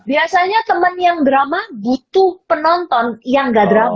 biasanya temen yang drama butuh penonton yang gak drama